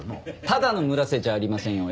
ただの村瀬じゃありませんよ。